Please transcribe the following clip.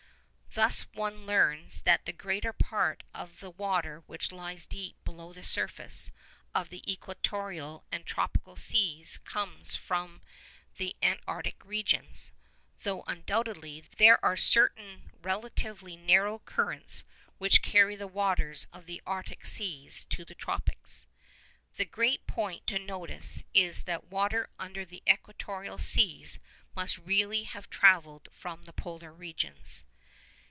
Thus one learns that the greater part of the water which lies deep below the surface of the equatorial and tropical seas comes from the Antarctic regions, though undoubtedly there are certain relatively narrow currents which carry the waters of the Arctic seas to the tropics. The great point to notice is that the water under the equatorial seas must really have travelled from polar regions.